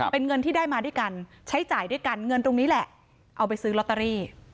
เป็นเงินที่ได้มาด้วยกันใช้จ่ายด้วยกันเงินตรงนี้แหละเอาไปซื้อลอตเตอรี่